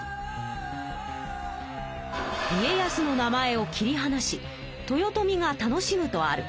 家康の名前を切りはなし豊臣が楽しむとある。